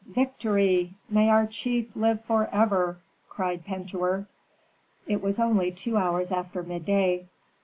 "Victory! May our chief live forever!" cried Pentuer. It was only two hours after midday.